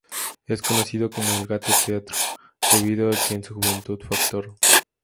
Es conocido como el "Gato Teatro" debido a que en su juventud fue actor.